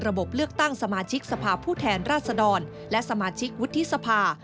บเลือกตั้งสมาชิกสภาพผู้แทนราชดรและสมาชิกวุฒิสภา